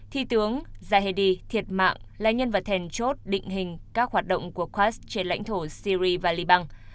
thi tướng zahedi thiệt mạng là nhân vật thèn chốt định hình các hoạt động của quds trên lãnh thổ syria và liban